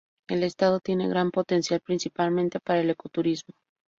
El estado tiene gran potencial, principalmente para el ecoturismo.